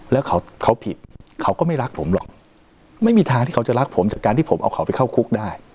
แล้วเขาผิดเขาก็ไม่รักผมหรอกไม่มีทางที่เขาจะรักผมจากการที่ผมเอาเขาไปเข้าคุกได้